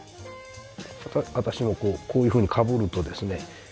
私もこういうふうにかぶるとですね